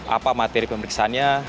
apa materi pemeriksaannya